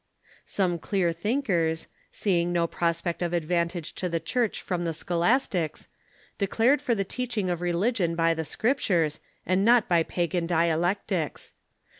Some clear thinkers, seeing no prospect of advantage to the Church from the Scholastics, declared for the teaching of re ligion by the Scriptures, and not by pagan dialectics.